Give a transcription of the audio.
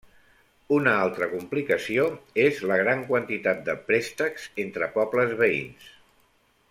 Una altra complicació és la gran quantitat de préstecs entre pobles veïns.